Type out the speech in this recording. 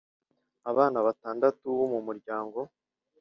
abana batandatu bo mu muryango